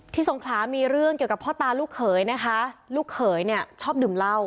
สงขลามีเรื่องเกี่ยวกับพ่อตาลูกเขยนะคะลูกเขยเนี่ยชอบดื่มเหล้า